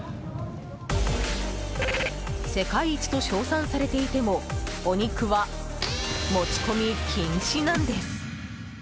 世界一と称賛されていてもお肉は持ち込み禁止なんです。